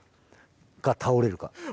か倒れるか。